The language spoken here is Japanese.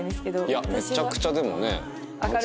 いやめちゃくちゃでもね愛嬌が。